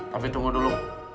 tapi tunggu dulu